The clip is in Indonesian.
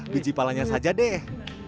biji palanya saja deh